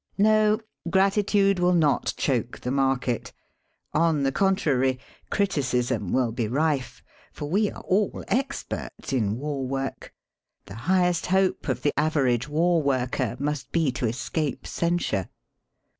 No ! Gratitude will not choke the market. On the contrary, criticism will be rife, for we are all experts in war work. The highest hope of the average war worker must be to escape censure.